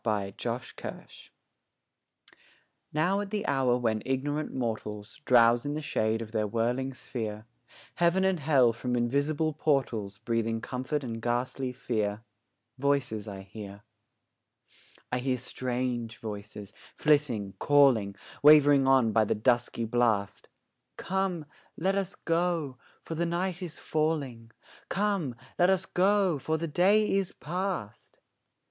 TWILIGHT VOICES Now, at the hour when ignorant mortals Drowse in the shade of their whirling sphere, Heaven and Hell from invisible portals Breathing comfort and ghastly fear, Voices I hear; I hear strange voices, flitting, calling, Wavering by on the dusky blast, 'Come, let us go, for the night is falling; Come, let us go, for the day is past!'